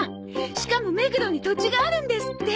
しかも目黒に土地があるんですって。